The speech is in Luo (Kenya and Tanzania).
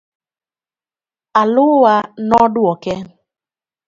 Alua nodwoke.